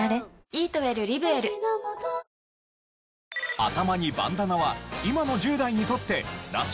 頭にバンダナは今の１０代にとってナシ？